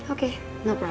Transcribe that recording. aku mau pergi ke rumah